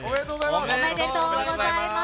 おめでとうございます。